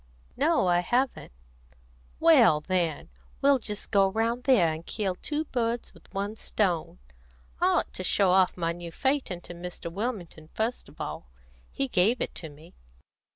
"No, I haven't." "Well, then, we'll just go round there, and kill two birds with one stone. I ought to show off my new phaeton to Mr. Wilmington first of all; he gave it to me.